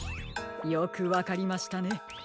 よくわかりましたね。